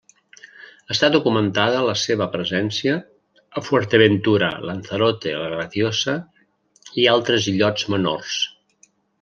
Està documentada la seva presència a Fuerteventura, Lanzarote, la Graciosa i altres illots menors.